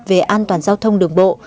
về an toàn giao thông đường bộ